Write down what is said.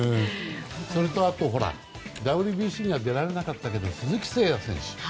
ＷＢＣには出られなかったけど鈴木誠也選手。